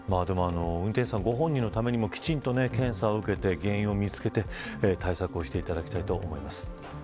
運転手さんご本人のためにもきちんと検査を受けて原因を見つけて対策をしていただきたいと思います。